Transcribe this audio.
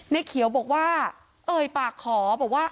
ในเขียวบอกว่าตรงปากขอบอกว่าเอ้า